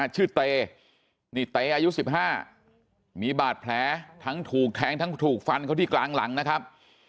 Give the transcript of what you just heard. ชื่อเตนี่เตอายุ๑๕มีบาดแผลทั้งถูกแทงทั้งถูกฟันเขาที่กลางหลังนะครับ